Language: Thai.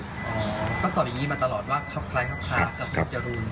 อ๋อก็ตอนนี้มันตลอดว่าขับคล้ายขับคล้ายกับหมวดจรูน